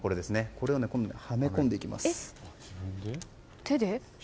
これを、はめ込んでいきます。